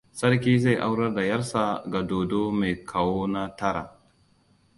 Sarki zai aurar da 'yarsa ga dodo mai kawona tara.